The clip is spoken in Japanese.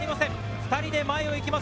２人で前をいきます